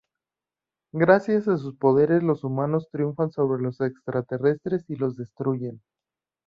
Gracias a sus poderes los humanos triunfan sobre los extraterrestres y los destruyen.